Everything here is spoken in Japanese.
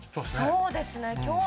そうですね。